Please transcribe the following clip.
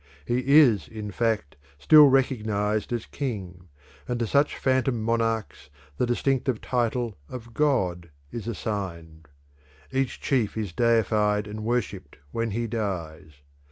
He is, in fact, still recognised as king, and to such phantom monarchs the distinctive title of god is assigned. Each chief is deified and worshipped when he dies.